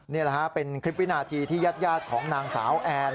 นี่นะคะเป็นคลิปวินาทีที่ยาดก็ของหนางสาวแอล